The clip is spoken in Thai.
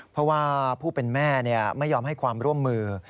เพราะว่าผู้เป็นแม่ไม่ยอมให้ความร่วมมือ